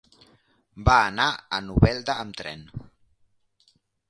Va anar a Novelda amb tren.